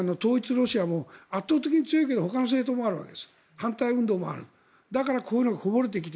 ロシアも圧倒的に強いけどほかの政党もある反対運動もあるだからこういうのがこぼれてくる。